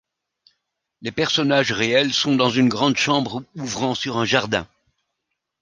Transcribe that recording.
Les personnages réels sont dans une grande chambre ouvrant sur un jardin.